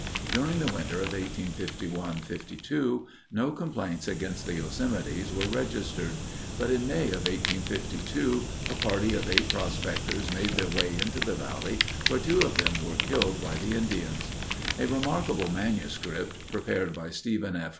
During the winter of 1851 52, no complaints against the Yosemites were registered, but in May of 1852 a party of eight prospectors made their way into the valley, where two of them were killed by the Indians. A remarkable manuscript, prepared by Stephen F.